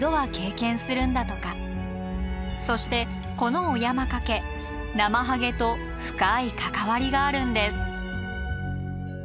そしてこのお山かけナマハゲと深い関わりがあるんです。